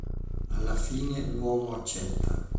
Alla fine l'uomo accetta.